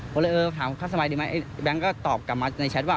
ก็เลยเออถามเขาสบายดีไหมแบงค์ก็ตอบกลับมาในแชทว่า